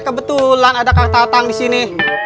kebetulan ada kang tatang di sini